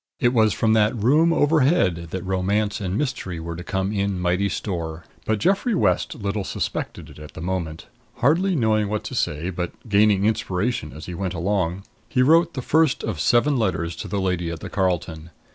It was from that room overhead that romance and mystery were to come in mighty store; but Geoffrey West little suspected it at the moment. Hardly knowing what to say, but gaining inspiration as he went along, he wrote the first of seven letters to the lady at the Carlton.